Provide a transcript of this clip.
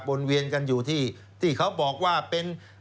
เวียนกันอยู่ที่เขาบอกว่าเป็น